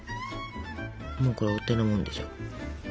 もうこれお手のもんでしょ。